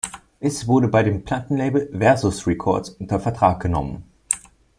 Es wurde bei dem Plattenlabel Versus Records unter Vertrag genommen.